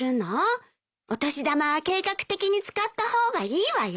お年玉は計画的に使った方がいいわよ。